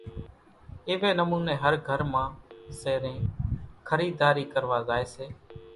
ايوي نموني ھر گھر مان زيرين خريداري ڪروا زائي سي